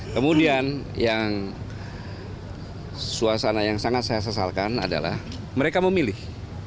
kemudian yang suasana yang sangat saya sesalkan adalah mereka memilih